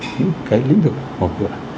những cái lĩnh vực mở cửa